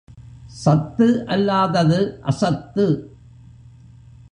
சத்து அல்லாதது அசத்து.